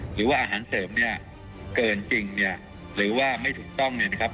หรือว่าอาหารเสริมเนี่ยเกินจริงเนี่ยหรือว่าไม่ถูกต้องเนี่ยนะครับ